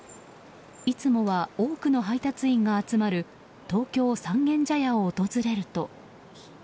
いつもは多くの配達員が集まる東京・三軒茶屋を訪れると。